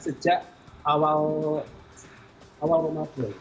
sejak awal ramadhan